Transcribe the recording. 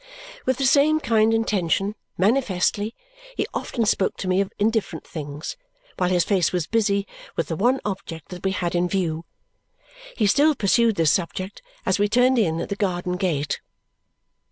With the same kind intention, manifestly, he often spoke to me of indifferent things, while his face was busy with the one object that we had in view. He still pursued this subject as we turned in at the garden gate.